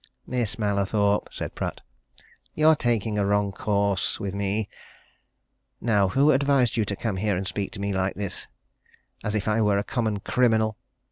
"Miss Mallathorpe," said Pratt. "You're taking a wrong course with me. Now who advised you to come here and speak to me like this, as if I were a common criminal?